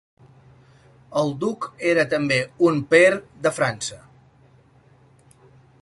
El duc era també un "pair" de França.